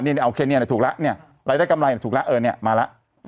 นี่โอเคเนี่ยถูกแล้วเนี่ยรายได้กำไรถูกแล้วเออเนี่ยมาแล้ว